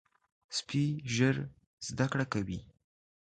سپي ژر زده کړه کوي.